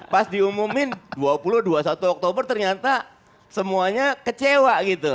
pas diumumin dua puluh dua puluh satu oktober ternyata semuanya kecewa gitu